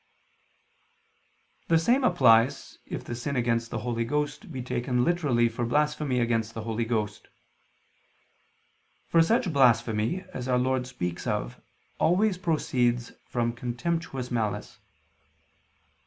The same applies, if the sin against the Holy Ghost be taken literally for blasphemy against the Holy Ghost. For such blasphemy as Our Lord speaks of, always proceeds from contemptuous malice.